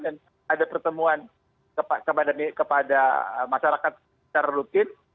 dan ada pertemuan kepada masyarakat secara rutin